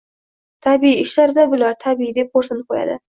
Tabiiy ishlar-da bular, tabiiy! – deb xoʻrsinib qoʻyadi.